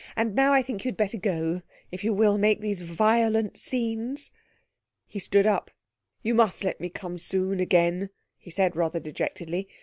And now I think you'd better go, if you will make these violent scenes.' He stood up. 'You must let me come soon again,' he said rather dejectedly.